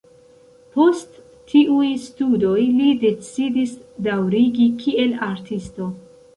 Post tiuj studoj li decidis daŭrigi kiel artisto.